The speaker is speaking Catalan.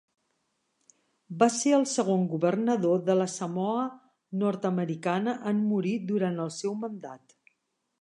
Va ser el segon governador de la Samoa Nord-americana en morir durant el seu mandat.